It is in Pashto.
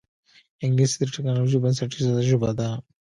انګلیسي د ټکنالوجۍ بنسټیزه ژبه ده